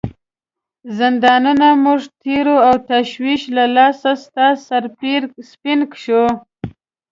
زندانونه موږ تیروو او تشویش له لاسه ستا سر سپین شوی.